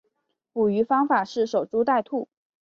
捕鱼方法是守株待兔。